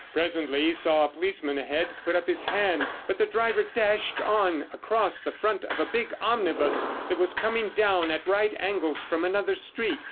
Presently he saw a policeman ahead put up his hand, but the driver dashed on across the front of a big omnibus that was coming down at right angles from another street.